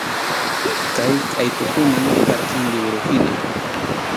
Kay qʼaytukunam karqan liwruhina.